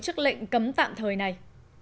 trước lệnh cấm tạm thời này